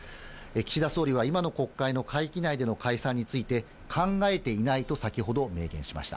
岸田総理は今の国会の会期内での解散について、考えていないと、先ほど、明言しました。